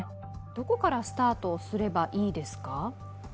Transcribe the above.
どこからスタートをすればいいですか？